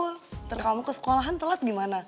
terus kamu ke sekolahan telat gimana